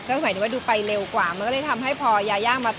ก็หมายถึงว่าดูไปเร็วกว่ามันก็เลยทำให้พอยาย่างมา